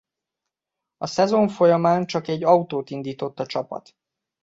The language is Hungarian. A szezon folyamán csak egy autót indított a csapat.